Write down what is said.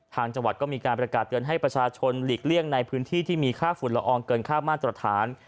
ทางจังหวัดก็มีการประกาศเตือนให้ประชาชนหลีกเลี่ยงในพื้นที่ที่มีค่าฝุ่นละอองเกินค่ามาตรฐาน